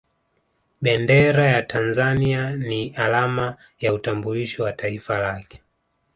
Bendera ya Tanzania ni alama ya utambulisho wa Taifa lake